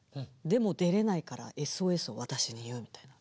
でも出れないからＳＯＳを私に言うみたいな。